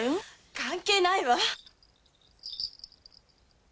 関係ないわ！